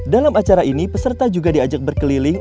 dalam acara ini peserta juga diajak berkeliling